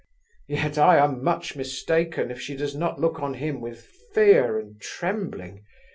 Yet I am much mistaken if she does not look on him with fear and trembling.